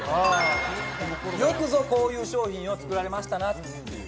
よくぞこういう商品を作られましたなっていう。